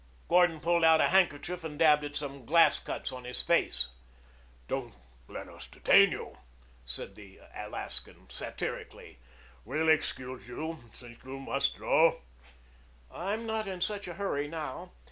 Gordon pulled out a handkerchief and dabbed at some glass cuts on his face. "Don't let us detain you," said the Alaskan satirically. "We'll excuse you, since you must go." "I'm not in such a hurry now.